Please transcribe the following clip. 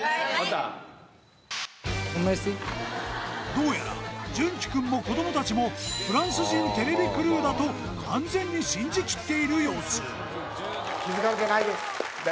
はいどうやら洵稀くんも子どもたちもフランス人テレビクルーだと完全に信じ切っている様子